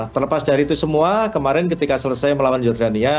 terlepas dari itu semua kemarin ketika selesai melawan jordania